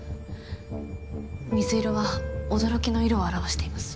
水色は「驚き」の色を表しています。